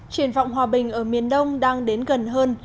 triển vọng hòa bình ở miền đông đang đến gần hơn